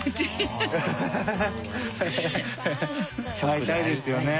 会いたいですよね。